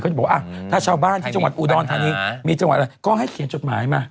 จะบอกว่าถ้าชาวบ้านที่จังหวัดอุดรธานีมีจังหวัดอะไรก็ให้เขียนจดหมายมา